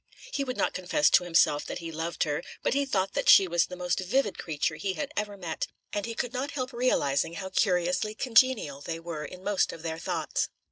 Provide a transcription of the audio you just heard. He would not confess to himself that he loved her, but he thought that she was the most vivid creature he had ever met, and he could not help realising how curiously congenial they were in most of their thoughts.